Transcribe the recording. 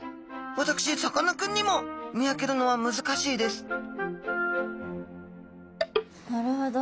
私さかなクンにも見分けるのは難しいですなるほど。